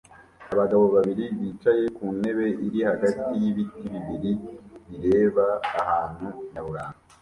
Abagabo babiri bicaye ku ntebe iri hagati y'ibiti bibiri bireba ahantu nyaburanga